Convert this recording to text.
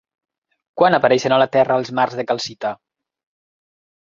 Quan apareixen a la Terra els mars de calcita?